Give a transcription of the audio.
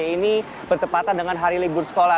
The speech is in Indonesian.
ini bertepatan dengan hari libur sekolah